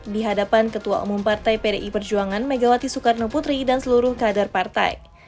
di hadapan ketua umum partai pdi perjuangan megawati soekarno putri dan seluruh kader partai